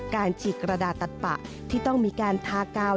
ฉีกกระดาษตัดปะที่ต้องมีการทากาว